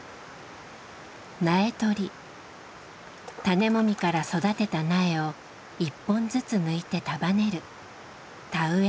種もみから育てた苗を１本ずつ抜いて束ねる田植えの準備。